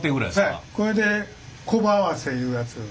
ええこれで小刃合わせいうやつ。